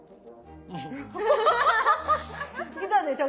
きたでしょ？